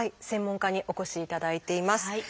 専門家にお越しいただいています。